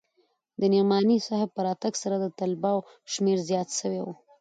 د نعماني صاحب په راتگ سره د طلباوو شمېر زيات سوى و.